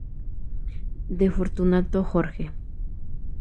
De Fortunato Jorge.